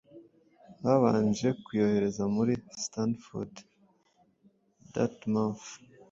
Babanje kuyohereza muri Stanford, Dartmouth